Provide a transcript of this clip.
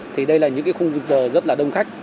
thì đây là những cái khung giờ rất là đông khách